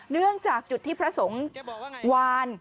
เนื่องจากจุดที่พระสงฆ์วาน